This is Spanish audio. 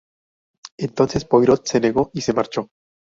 Entonces Poirot se negó y se marchó.